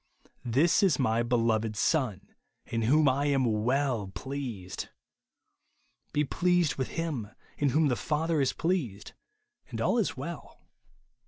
*' This is my beloved Son, in vdiom I am Avell pleased." Be pleased with him, in whom the Father is pleased, and all is well.